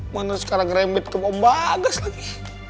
mana sekarang remit kembang bagas lagi